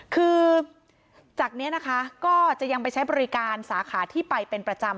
คือจากนี้นะคะก็จะยังไปใช้บริการสาขาที่ไปเป็นประจำ